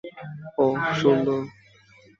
ওহ, সুন্দর।